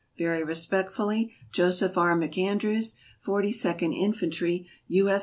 Very respectfully, Joseph K. McAndrews, Forty second Infantry, U. S.